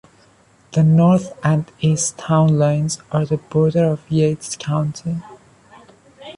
The north and east town lines are the border of Yates County.